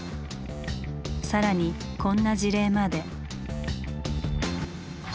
更にこんな事例まで。